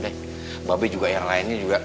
deh mbak be juga yang lainnya juga